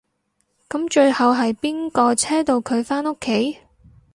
噉最後係邊個車到佢返屋企？